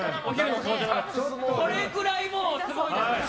これくらい、すごいですから。